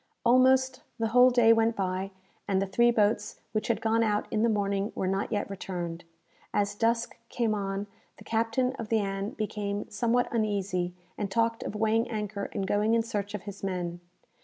Almost the whole day went by, and the three boats which had gone out in the morning were not yet returned. As dusk came on, the captain of the "Ann" became somewhat uneasy, and talked of weighing anchor and going in search of his men.